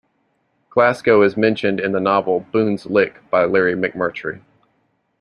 Glasgow is mentioned in the novel "Boone's Lick" by Larry McMurtry.